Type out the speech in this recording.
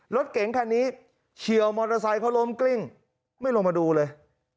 รถเก๋งคันนี้เฉียวมอเตอร์ไซค์เขาล้มกลิ้งไม่ลงมาดูเลย